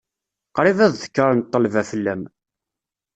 Qrib ad ddekren ṭṭelba fell-am.